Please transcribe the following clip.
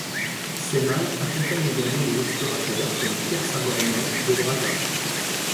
Ses malles accompagnent également des explorateurs, comme Pierre Savorgnan de Brazza.